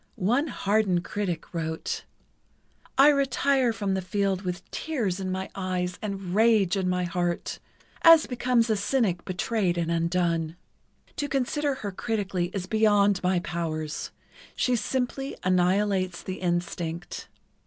One hardened critic wrote: I retire from the field with tears in my eyes and rage in my heart, as becomes a cynic betrayed and undone. To consider her critically is beyond my powers—she simply annihilates the instinct.